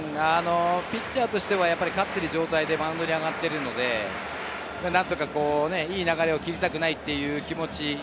ピッチャーとして勝っている状態でマウンドに上がっているので、何とかいい流れを切りたくないという気持ち。